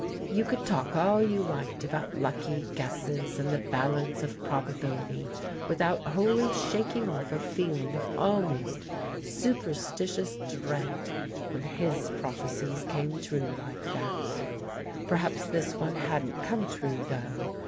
You could talk all you liked about lucky guesses and the balance of probability, without wholly shaking off a feeling of almost superstitious dread, when his prophecies came true like that. Perhaps this one hadn't come true, though.